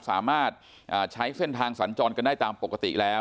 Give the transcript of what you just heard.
สามารถใช้เส้นทางสัญจรกันได้ตามปกติแล้ว